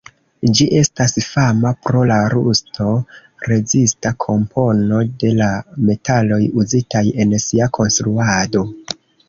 Ĝi estas fama pro la rusto-rezista kompono de la metaloj uzitaj en sia konstruado.